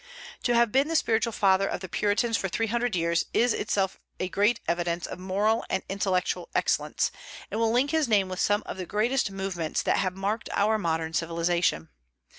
To have been the spiritual father of the Puritans for three hundred years is itself a great evidence of moral and intellectual excellence, and will link his name with some of the greatest movements that have marked our modern civilization.